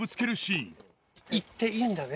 「言っていいんだね」